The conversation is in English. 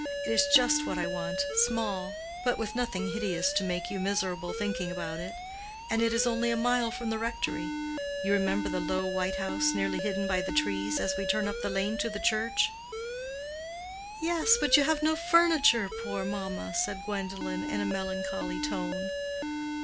It is just what I want; small, but with nothing hideous to make you miserable thinking about it. And it is only a mile from the Rectory. You remember the low white house nearly hidden by the trees, as we turn up the lane to the church?" "Yes, but you have no furniture, poor mamma," said Gwendolen, in a melancholy tone.